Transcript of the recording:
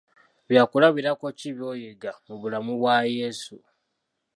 Bya kulabirako ki by'oyiga mu bulamu bwa yeezu?